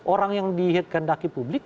orang yang dihendaki publik